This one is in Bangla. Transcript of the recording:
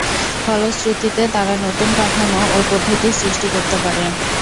ফলশ্রুতিতে তারা নতুন কাঠামো ও পদ্ধতির সৃষ্টি করতে পারে।